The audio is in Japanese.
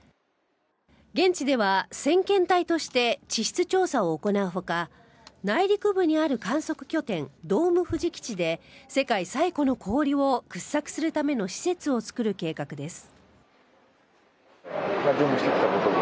現地では先遣隊として地質調査を行うほか内陸部にある観測拠点ドームふじ基地で世界最古の氷を掘削するための施設を作る計画です。